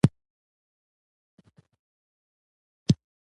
نورو کاریګرو ته یې ور معرفي کړم.